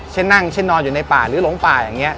เช่นนั่งเช่นนอนอยู่ในป่าหรือหลงป่าอย่างนี้